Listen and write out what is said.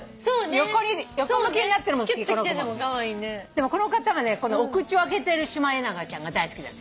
でもこの方はねお口を開けてるシマエナガちゃんが大好き。